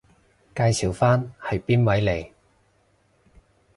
介紹返係邊位嚟？